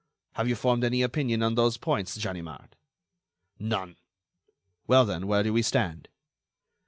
Have you formed any opinion on those points Ganimard?" "None." "Well, then, where do we stand?"